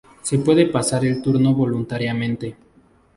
Se puede pasar el turno voluntariamente.